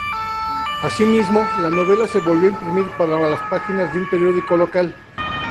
Asimismo, la novela se volvió a imprimir para las páginas de un periódico local.